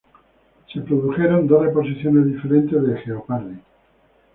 Se produjeron dos reposiciones diferentes de "Jeopardy!